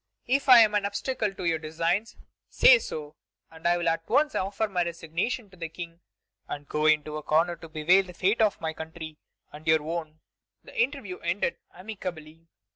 If I am an obstacle to your designs, say so, and I will at once offer my resignation to the King, and go into a corner to bewail the fate of my country and your own." The interview ended amicably.